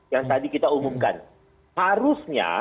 yang tadi kita umumkan harusnya